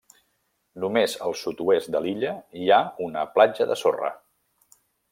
Només al sud-oest de l'illa hi ha una platja de sorra.